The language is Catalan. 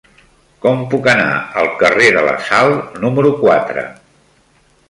Com puc anar al carrer de la Sal número quatre?